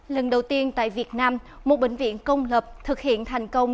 lần đầu tiên tại việt nam một bệnh viện công lập thực hiện thành công